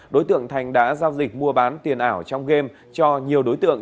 đối tượng thành đã giao dịch mua bán tiền ảo trong game cho nhiều đối tượng